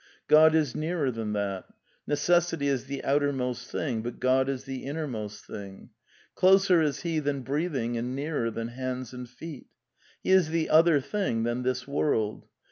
God is nearer than that. Necessity is the outermost thing, but God is the innermost thing. Closer is he than breathing and nearer than hands and feet. He is the Other Thing than this world.